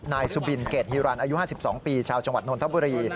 นายสุบินเกรดฮิรันอายุ๕๒ปีชาวจังหวัดนทบุรี